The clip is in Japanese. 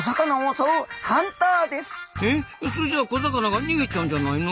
それじゃ小魚が逃げちゃうんじゃないの？